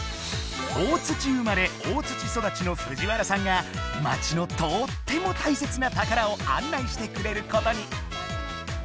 大生まれ大育ちの藤原さんが町のとってもたいせつな宝を案内してくれることに。